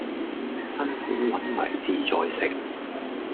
辛苦搵嚟志在食